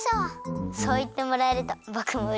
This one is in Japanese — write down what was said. そういってもらえるとぼくもうれしいです。